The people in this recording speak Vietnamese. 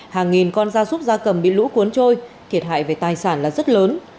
hàng nghìn con da súc da cầm bị lũ cuốn trôi thiệt hại về tài sản là rất lớn